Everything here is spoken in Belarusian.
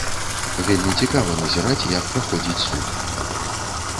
Вельмі цікава назіраць, як праходзіць суд.